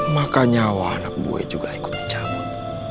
maka nyawa anak bue juga ikut dicabut